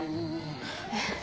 えっ？